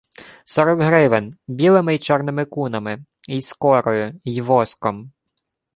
— Сорок гривен. Білими й чорними кунами. Й скорою, й воском.